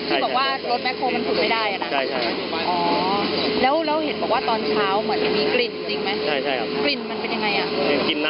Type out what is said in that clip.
แล้วเราเห็นบอกว่าตอนเช้าเหมือนมีกลิ่นจริงมั้ย